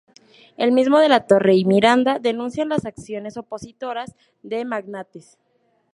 El mismo De la Torre y Miranda denuncian las acciones opositoras de "magnates".